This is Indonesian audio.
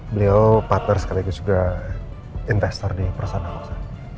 beliau partner sekali lagi juga investor di perusahaan aku sa